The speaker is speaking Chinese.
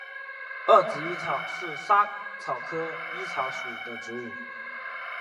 二籽薹草是莎草科薹草属的植物。